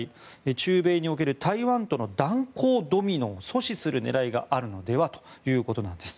中米における台湾との断交ドミノを阻止する狙いがあるのではということなんです。